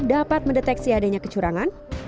dapat mendeteksi adanya kecurangan